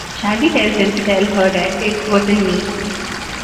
Shaggy tells him to tell her that It wasn't me.